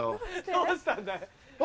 どうしたんだい？